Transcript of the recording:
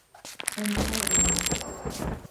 And so on.